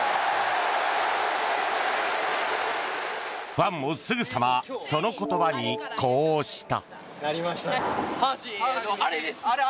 ファンもすぐさまその言葉に呼応した。